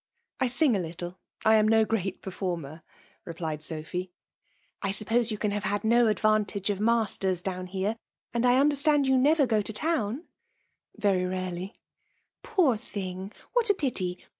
''" I sing a little; — I am no great performer/* replied Sophy. *' I suppose you can have had no advanlag^ of masters down here ; and I understand you never go to town V* '" Very rarely." <* Poor thing! — What a pity!